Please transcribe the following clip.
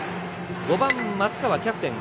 ５番、松川、キャプテン。